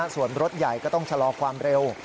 ส่วนรถใหญ่ก็ต้องชะลอความเร็ว